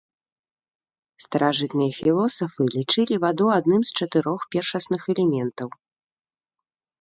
Старажытныя філосафы лічылі ваду адным з чатырох першасных элементаў.